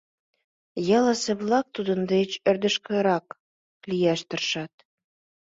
Ялысе-влак тудын деч ӧрдыжтырак лияш тыршат.